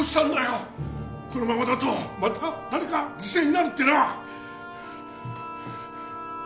このままだとまた誰か犠牲になるってな！